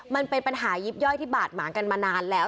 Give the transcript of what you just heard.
มันเป็นปัญหายิบย่อยที่บาดหมางกันมานานแล้ว